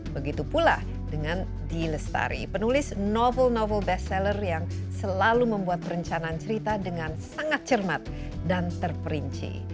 begitu pula dengan d lestari penulis novel novel best seller yang selalu membuat perencanaan cerita dengan sangat cermat dan terperinci